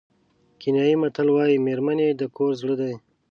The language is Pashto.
کینیايي متل وایي مېرمنې د کور زړه دي.